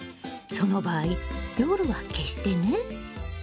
その場合夜は消してね。